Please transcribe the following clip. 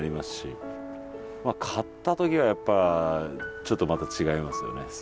まあ勝った時はやっぱちょっとまた違いますよね。